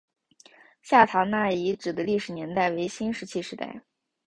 下堂那遗址的历史年代为新石器时代。